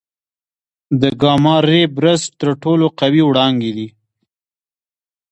د ګاما رې برسټ تر ټولو قوي وړانګې دي.